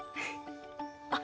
あっ！